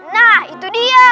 nah itu dia